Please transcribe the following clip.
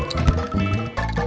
sampai jumpa lagi